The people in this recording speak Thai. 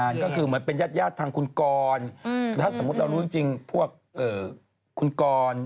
ก็คือเหมือนเป็นญาติทางคุณกรถ้าสมมุติเรารู้จริงพวกคุณกร